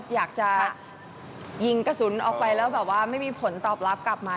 อยากจะยิงกระสุนออกไปแล้วแบบว่าไม่มีผลตอบรับกลับมา